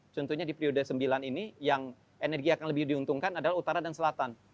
contohnya di periode sembilan ini yang energi akan lebih diuntungkan adalah utara dan selatan